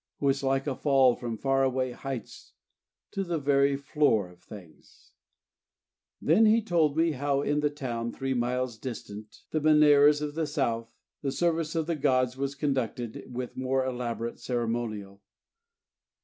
It was like a fall from far away heights to the very floor of things. Then he told me how in the town three miles distant, the Benares of the South, the service of the gods was conducted with more elaborate ceremonial.